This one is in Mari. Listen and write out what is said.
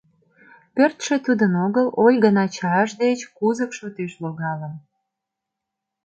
Пӧртшӧ тудын огыл, Ольган ачаж деч кузык шотеш логалын.